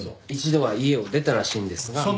一度は家を出たらしいんですが。